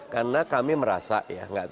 karena kami merasa ya